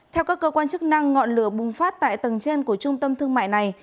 theo các cơ quan chức năng ngọn lửa bùng phát tại tầng trên của trung tâm thương mại này